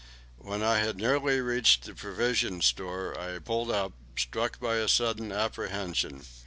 When I had nearly reached the provision store I pulled up, struck by a sudden apprehension.